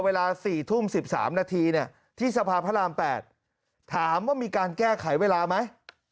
เวลา๔ทุ่ม๑๓นาทีที่สภาพพระราม๘ถามว่ามีการแก้ไขเวลาไหม